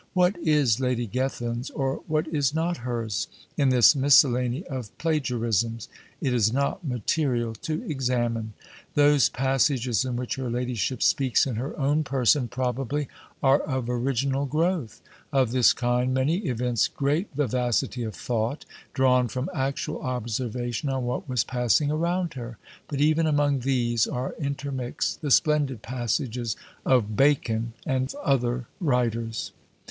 What is Lady Gethin's, or what is not hers, in this miscellany of plagiarisms, it is not material to examine. Those passages in which her ladyship speaks in her own person probably are of original growth; of this kind many evince great vivacity of thought, drawn from actual observation on what was passing around her; but even among these are intermixed the splendid passages of Bacon and other writers.